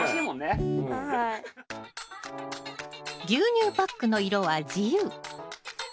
牛乳パックの色は自由。